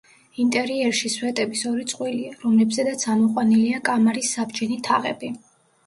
ინტერიერში სვეტების ორი წყვილია, რომლებზედაც ამოყვანილია კამარის საბჯენი თაღები.